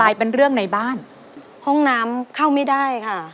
ลายเป็นในบ้านห้องน้ำเข้าไม่ได้ค่ะ